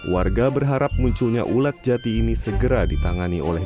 warga berharap munculnya ulat jati ini segera ditambah